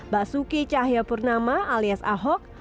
basuki cahyapurnama alias ahok